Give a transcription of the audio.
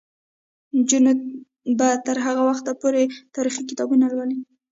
نجونې به تر هغه وخته پورې تاریخي کتابونه لولي.